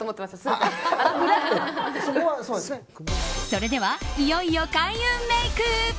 それでは、いよいよ開運メイク。